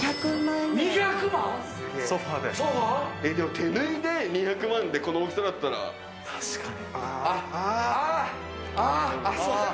手縫いで２００万でこの大きさなら確かに。